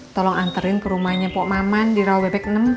tolong anterin ke rumahnya puk maman di rau bebek enam